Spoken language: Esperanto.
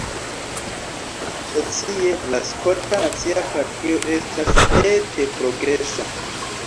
Socie, la Skota Nacia Partio estas ete progresa.